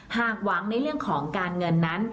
หากหวังในเรื่องของการเงินนั้น